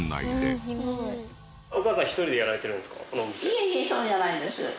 いえいえそうじゃないんです。